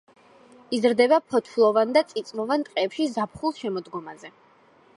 იზრდება ფოთლოვან და წიწვოვან ტყეებში ზაფხულ-შემოდგომაზე.